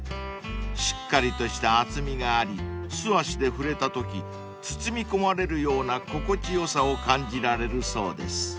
［しっかりとした厚みがあり素足で触れたとき包み込まれるような心地良さを感じられるそうです］